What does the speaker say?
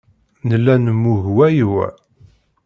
Nella nemmug wa i wa.